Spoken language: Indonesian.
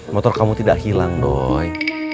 motor kamu tidak hilang dong